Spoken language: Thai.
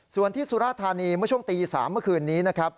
ส่วนที่สุราธารณีเมื่อช่วงตี๓เมื่อคืนนี้